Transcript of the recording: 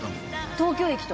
東京駅と？